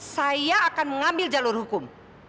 saya akan mengambil jalur hukum